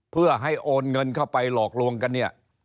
เพื่อให้โอนเงินเข้าไปหลอกลวงกันเนี่ย